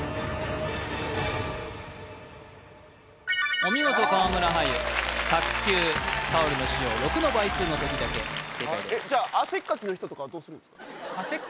お見事川村はゆ卓球タオルの使用６の倍数の時だけ正解ですじゃあ汗っかきの人とかはどうするんですか？